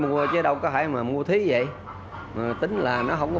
mình mua chứ đâu có thể mà mua thế vậy tính là nó không có bị